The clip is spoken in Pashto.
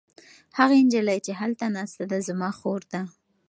هغه نجلۍ چې هلته ناسته ده زما خور ده.